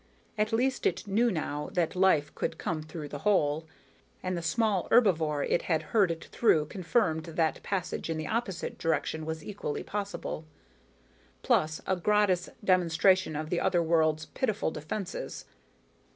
At least, it knew now that life could come through the hole, and the small herbivore it had herded through confirmed that passage in the opposite direction was equally possible plus a gratis demonstration of the other world's pitiful defenses.